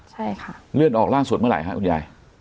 ใช่ค่ะเลื่อนออกล่าสุดเมื่อไหร่ฮะคุณยาย